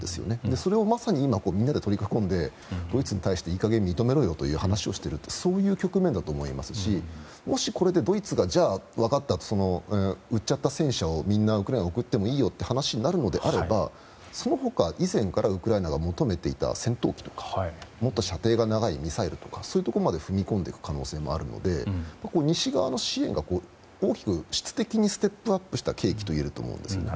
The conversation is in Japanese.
それをまさに今、みんなで取り囲んでドイツに対していい加減認めろよという話をしているというそういう局面だと思いますしもしドイツが売っちゃった戦車をみんなウクライナに送ってもいいよという話になるのであればその他、以前からウクライナが求めていた戦闘機とか射程が長いミサイルとかにも踏み込んでいく可能性があるので西側の支援が質的にステップアップした契機といえると思うんです。